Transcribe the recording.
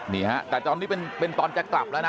นี่ฮะแต่ตอนนี้เป็นตอนจะกลับแล้วนะ